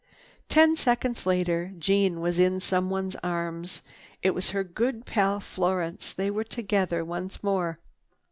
Ten seconds later Jeanne was in someone's arms. It was her good pal Florence. They were together once more.